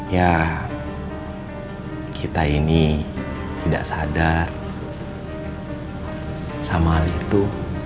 ya kita ini tidak sadar sama hal itu